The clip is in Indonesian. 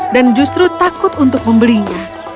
dan justru takut untuk membelinya